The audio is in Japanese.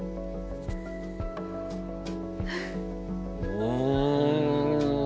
うん！